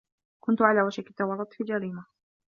كنت على وشك التورط في جريمة.